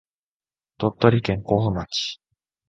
鳥取県江府町